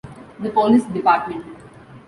The police dept.